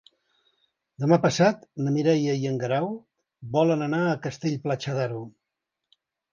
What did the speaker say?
Demà passat na Mireia i en Guerau volen anar a Castell-Platja d'Aro.